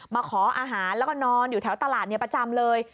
มาขออาหารแล้วก็นอนอยู่แถวตลาดประจำเลย